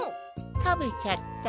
たべちゃった。